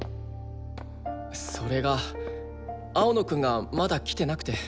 それが青野くんがまだ来てなくて。